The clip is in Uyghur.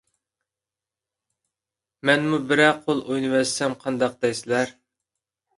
مەنمۇ بىرەر قول ئوينىۋەتسەم قانداق دەيسىلەر!